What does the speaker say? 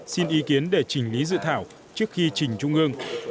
xin ý kiến để chỉnh lý dự thảo trước khi trình trung ương